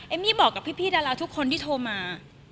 มี่บอกกับพี่ดาราทุกคนที่โทรมา